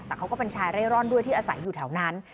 แต่เขาก็เป็นชายเร่ร่อนด้วยที่อาศัยอยู่แถวนั้น